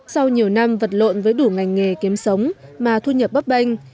sau nhiều năm vật lộn với đủ ngành nghề kiếm sống mà thu nhập bấp banh